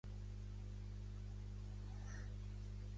Lubinsky seria posteriorment el mentor del jove Lopez.